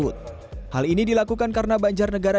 dan kenapa kita ambil di banjarnegara